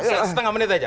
setengah menit saja